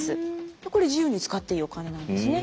これ自由に使っていいお金なんですね。